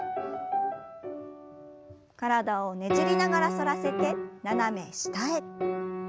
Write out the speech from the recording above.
体をねじりながら反らせて斜め下へ。